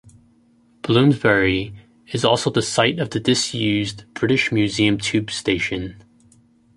Bloomsbury is also the site of the disused British Museum tube station.